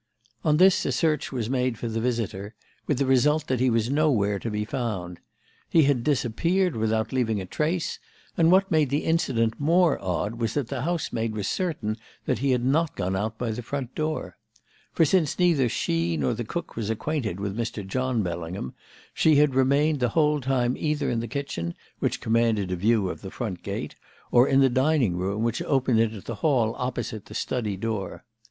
"On this a search was made for the visitor, with the result that he was nowhere to be found. He had disappeared without leaving a trace, and what made the incident more odd was that the housemaid was certain that he had not gone out by the front door. For since neither she nor the cook was acquainted with Mr. John Bellingham, she had remained the whole time either in the kitchen, which commanded a view of the front gate, or in the dining room, which opened into the hall opposite the study door.